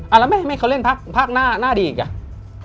อ้าวแล้วไม่ให้เขาเล่นภาคหน้าดีอีกอ่ะ